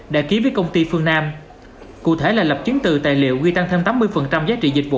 đã ký với công ty phương nam cụ thể là lập chứng từ tài liệu quy tăng thêm tám mươi giá trị dịch vụ